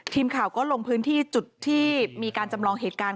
ทีมข่าวก็ลงพื้นที่จุดที่มีการจำลองเหตุการณ์